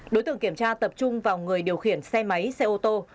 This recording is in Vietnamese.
đối tượng kiểm tra tập trung vào người điều khiển xe máy xe ô tô